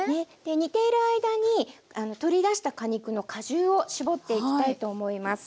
煮ている間に取り出した果肉の果汁を搾っていきたいと思います。